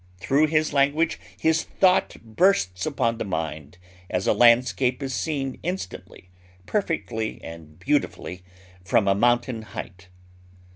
Through his language his thought bursts upon the mind as a landscape is seen instantly, perfectly, and beautifully from a mountain height.